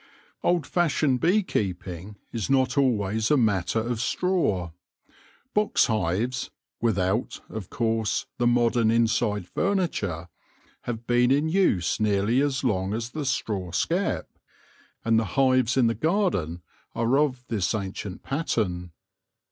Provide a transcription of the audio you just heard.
Old fashioned bee keeping is not always a matter of straw. Box hives, without, of course, the modern inside furniture, have been in use nearly as long as the straw skep ; and the hives in the garden are of this ancient pattern.